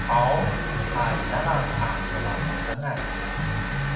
qau a inalang a kemasengesengan